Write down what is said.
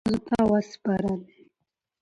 ښځو ته وسپارلې،